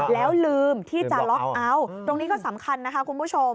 แล้วลืมที่จะล็อกเอาตรงนี้ก็สำคัญนะคะคุณผู้ชม